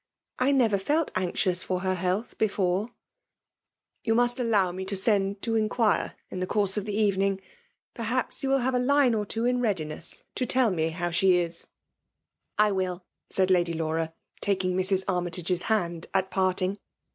I never felt anxious for her health before*" " You must allow me to send to inquire in the course of the evening. Perhaps you will have a line or two in readiness^ to tell me how she is." " I will,*' said Lady Laura, taking Mrs. Ar^ mytage's hand at parting.